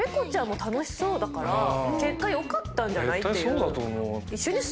絶対そうだと思う。